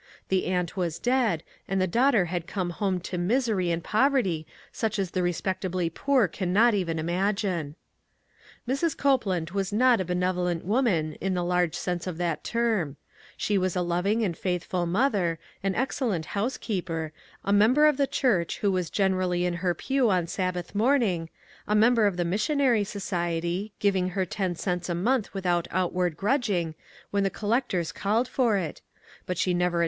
The aunt was dead, and the daughter had come home to misery and poverty such as the respectably poor can not even imagine. Mrs. Copeland was not a benevolent woman in the large sense of that term. She was a loving and faithful mother, an excellent housekeeper, a member of the church, who was generally in her pew on Sabbath morning, a member of the 'Mis sionary Society, giving her ten cents a month without outward grudging, when the collectors called for it ; but she never at FRUIT FROM THE PICNIC.